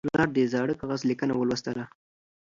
پلار د زاړه کاغذ لیکنه ولوستله.